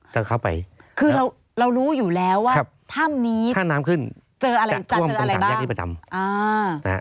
จะเข้าไปคือเรารู้อยู่แล้วว่าถ้ำนี้จะเจออะไรบ้าง